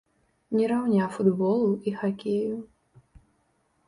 Не раўня футболу і хакею.